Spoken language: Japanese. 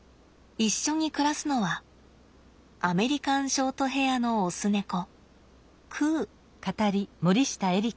一緒に暮らすのはアメリカンショートヘアのオス猫くう。